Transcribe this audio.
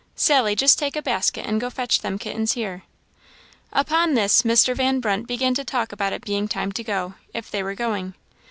Sally, just take a basket, and go fetch them kittens here." Upon this, Mr. Van Brunt began to talk about its being time to go, if they were going.